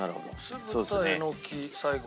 酢豚えのき最後。